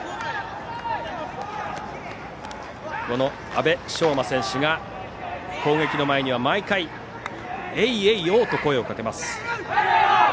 阿部匠真選手が攻撃の前には、毎回えいえいおー！と声をかけます。